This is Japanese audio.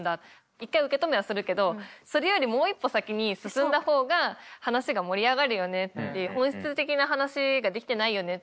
一回受け止めはするけどそれよりもう一歩先に進んだ方が話が盛り上がるよねって本質的な話ができてないよねって。